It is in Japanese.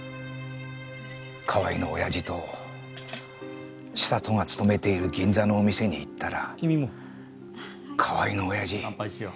河合のオヤジと千里が勤めている銀座のお店に行ったら河合のオヤジ